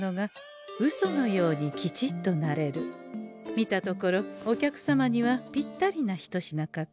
見たところお客様にはぴったりな一品かと。